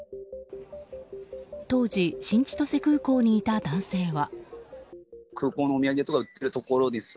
当時、新千歳空港にいた男性は。